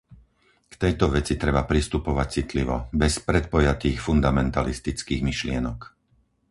K tejto veci treba pristupovať citlivo, bez predpojatých fundamentalistických myšlienok.